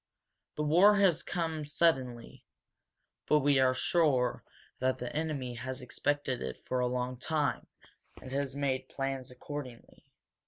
This war has come suddenly but we are sure that the enemy has expected it for a long time, and has made plans accordingly.